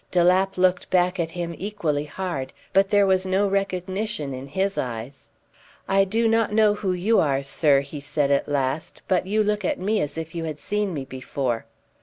De Lapp looked back at him equally hard, but there was no recognition in his eyes. "I do not know who you are, sir," he said at last; "but you look at me as if you had seen me before."